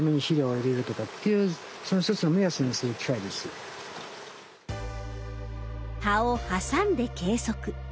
例えば葉を挟んで計測。